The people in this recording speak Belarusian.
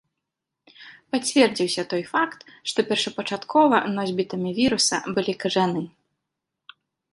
Пацвердзіўся той факт, што першапачаткова носьбітамі віруса былі кажаны.